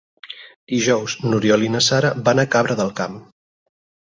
Dijous n'Oriol i na Sara van a Cabra del Camp.